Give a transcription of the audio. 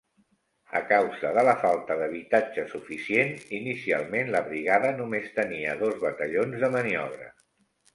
A causa de la falta d'habitatge suficient, inicialment la brigada només tenia dos batallons de maniobra.